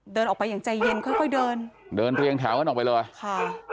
เดินออกไปอย่างใจเย็นค่อยค่อยเดินเดินเรียงแถวกันออกไปเลยค่ะ